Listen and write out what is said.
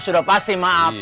sudah pasti maaf